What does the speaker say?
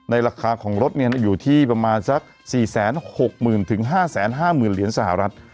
ราคาของรถอยู่ที่ประมาณสัก๔๖๐๐๐๕๕๐๐๐เหรียญสหรัฐ